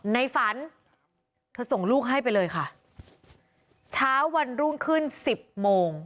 ในฝันเธอส่งลูกให้ไปเลยค่ะเช้าวันรุ่งขึ้นสิบโมง